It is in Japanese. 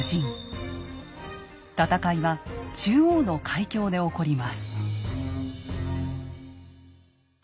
戦いは中央の海峡で起こります。